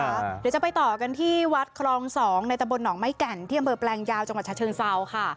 เดี๋ยวจะไปต่อกันที่วัดครอง๒ในตะบลหนองไม้แก่นที่อำเภอแปลงยาวจังหวัดฉะเชิงเซาค่ะ